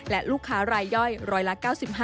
และลูกค้ารายย่อยร้อยละ๙๕